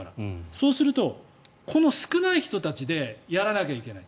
そうすると、この少ない人たちでやらなきゃいけない。